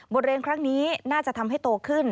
เรียนครั้งนี้น่าจะทำให้โตขึ้น